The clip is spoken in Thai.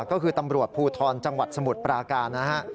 ก็คือตำรวจภูทรจังหวัดสมุทรปราการนะฮะ